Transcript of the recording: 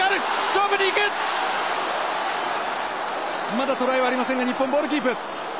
まだトライはありませんが日本ボールキープ。